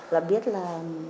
là biết là